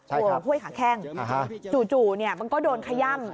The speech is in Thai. ห้วยขาแข้งจู่มันก็โดนขย่ำ